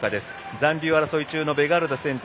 残留争い中のベガルタ